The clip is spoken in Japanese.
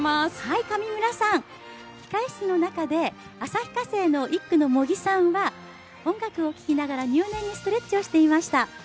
控え室の中で旭化成の１区の茂木さんは音楽を聴きながら入念にストレッチをしていました。